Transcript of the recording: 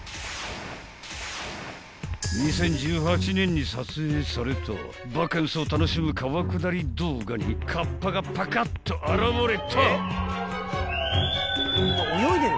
［２０１８年に撮影されたバカンスを楽しむ川下り動画に河童がぱかっと現れた！］